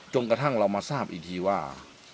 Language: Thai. กระทั่งเรามาทราบอีกทีว่า